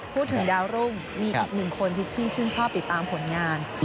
พูดถึงดาวรุ่งมีอีกหนึ่งคนพิชชี่ชื่นชอบติดตามผลงาน